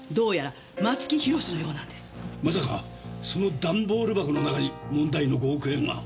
まさかその段ボール箱の中に問題の５億円が。